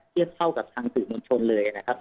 เพียบเท่ากับทางสื่อมชนเลย